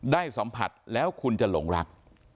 ได้สัมผัสแล้วคุณจะหลงรัก